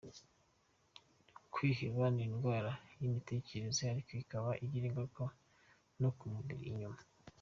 Kwiheba ni indwara y’imitekerereze ariko ikaba igira ingaruka no ku mubiri inyuma.